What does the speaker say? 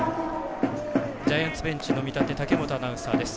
ジャイアンツベンチから武本アナウンサーです。